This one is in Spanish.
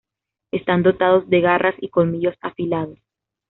Están dotados de garras y colmillos afilados.